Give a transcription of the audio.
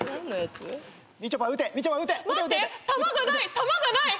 弾がない？